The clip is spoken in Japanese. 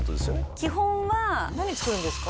基本は何作るんですか？